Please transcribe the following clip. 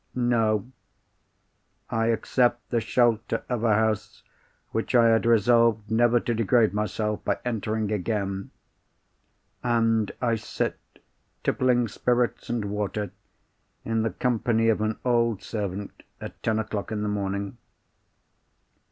No. I accept the shelter of a house which I had resolved never to degrade myself by entering again; and I sit, tippling spirits and water in the company of an old servant, at ten o'clock in the morning.